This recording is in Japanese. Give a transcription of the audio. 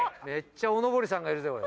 めっちゃおのぼりさんがいるぜ。